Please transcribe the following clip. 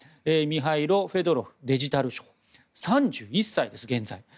ミハイロ・フェドロフデジタル相３１歳です、現在。